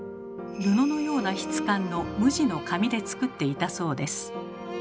布のような質感の無地の紙で作っていたそうです。